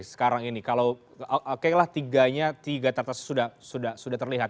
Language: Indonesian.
sekarang ini kalau kayaknya tiga tata sudah terlihat